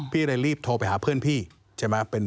พี่เลยรีบโทรไปหาเพื่อนพี่ใช่ไหม